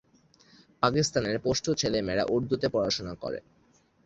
পাকিস্তানের পশতু ছেলেমেয়েরা উর্দুতে পড়াশোনা করে।